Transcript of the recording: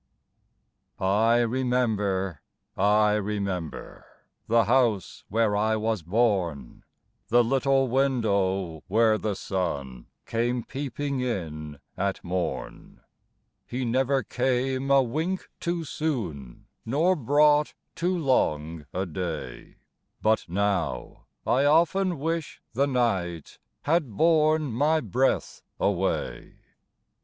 I remember, I remember The house where I was born, The little window where the sun Came peeping in at morn; He never came a wink too soon Nor brought too long a day; But now, I often wish the night Had borne my breath away.